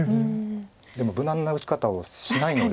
でも無難な打ち方をしないので。